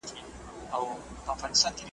بوه ورځ به دي څوک یاد کړي جهاني زخمي نظمونه .